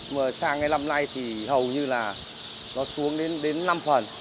mà sang ngày năm nay thì hầu như là nó xuống đến đến năm phần